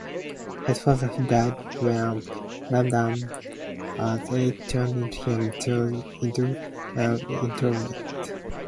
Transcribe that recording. His father died when Ramdas was eight, turning him into an introvert.